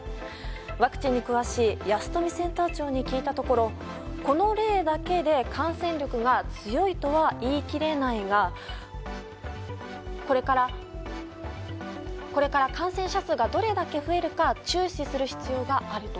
ワクチンに詳しい保富センター長に聞いたところこの例だけで感染力が強いとは言い切れないがこれから感染者数がどれだけ増えるか注視する必要があると。